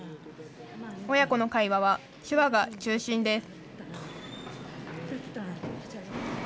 親子の会話は手話が中心です。